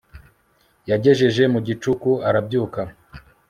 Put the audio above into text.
yagejeje mu gicuku arabyuka